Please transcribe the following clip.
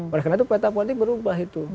oleh karena itu peta politik berubah itu